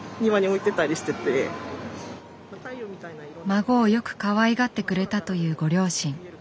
孫をよくかわいがってくれたというご両親。